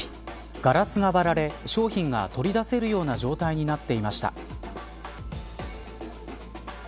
ガラスが割られ商品が取り出せるような状態になっていました。